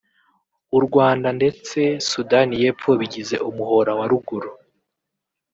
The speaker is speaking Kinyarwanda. u Rwanda ndetse Sudani y’Epfo bigize umuhora wa ruguru